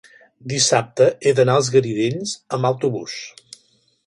dissabte he d'anar als Garidells amb autobús.